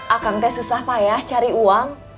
akang teh susah payah cari uang